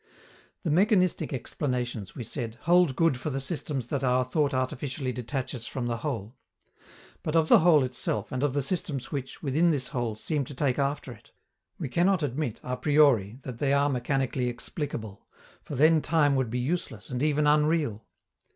The mechanistic explanations, we said, hold good for the systems that our thought artificially detaches from the whole. But of the whole itself and of the systems which, within this whole, seem to take after it, we cannot admit a priori that they are mechanically explicable, for then time would be useless, and even unreal.